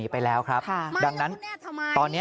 นี่โตมาแล้วมาโดนแบบนี้